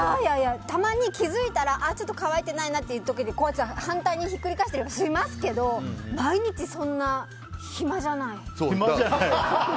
たまに気づいたらちょっと乾いてないなっていう時反対にひっくり返したりしますけど毎日そんな暇じゃない。